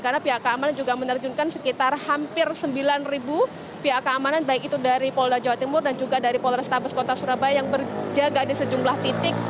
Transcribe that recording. karena pihak keamanan juga menerjunkan sekitar hampir sembilan ribu pihak keamanan baik itu dari polda jawa timur dan juga dari polres tabes kota surabaya yang berjaga di sejumlah titik